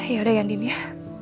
yaudah ya din ya